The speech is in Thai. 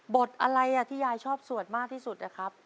บทอะไรที่ยายชอบสวดมากที่สุดนะครับ